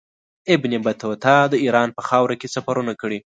ابن بطوطه د ایران په خاوره کې سفرونه کړي.